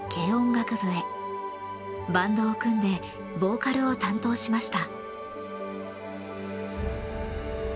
バンドを組んでボーカルを担当しました。